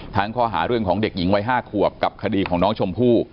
ข้อหาเรื่องของเด็กหญิงวัย๕ขวบกับคดีของน้องชมพู่